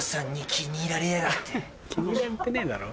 気に入られてねえだろ。